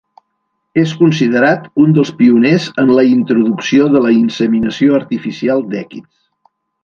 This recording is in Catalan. És considerat un dels pioners en la introducció de la inseminació artificial d'èquids.